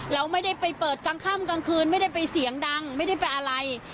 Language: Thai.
เราไม่ได้ไปเปิดกลางค่ำกลางคืนไม่ได้ไปเสียงดังไม่ได้ไปอะไร